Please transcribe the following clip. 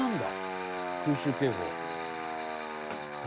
「空襲警報」